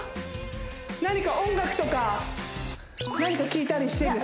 何か音楽とか何か聴いたりしてるんですか？